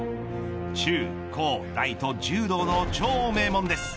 中高大と柔道の超名門です。